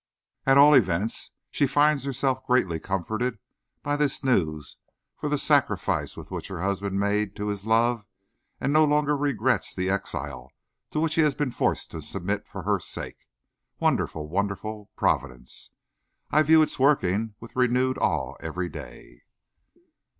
At all events, she finds herself greatly comforted by this news for the sacrifice which her husband made to his love, and no longer regrets the exile to which he has been forced to submit for her sake. Wonderful, wonderful Providence! I view its workings with renewed awe every day.